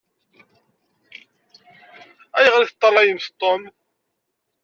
Ayɣeṛ i teṭṭalayemt Tom?